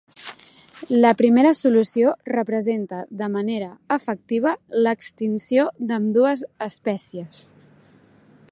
La primera solució representa de manera efectiva l'extinció d'ambdues espècies.